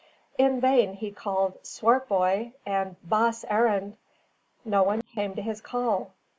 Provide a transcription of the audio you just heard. In vain he called, "Swartboy!" and "Baas Arend!" No one came to his call.